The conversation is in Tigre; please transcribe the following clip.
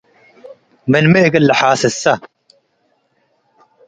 ምን ሚ እግል ለሓስሰ